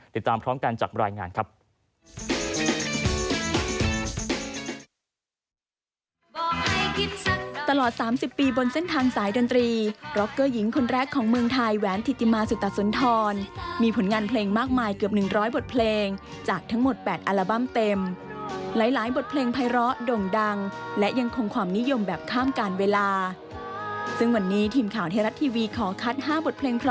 ติดตามพร้อมกันจากรายงานครับ